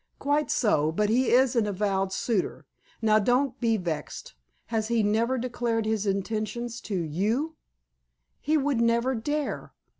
"Quite so. But he is an avowed suitor. Now don't be vexed. Has he never declared his intentions to you?" "He would never dare.